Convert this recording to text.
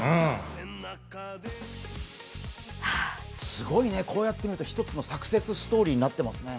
すごいね、こうやって見ると一つのサクセスストーリーになっていますね。